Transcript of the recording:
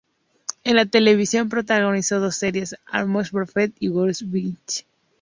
En televisión protagonizó dos series: "Almost Perfect" y "Work with Me".